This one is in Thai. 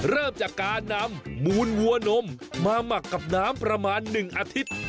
เริ่มจากการนำมูลวัวนมมาหมักกับน้ำประมาณ๑อาทิตย์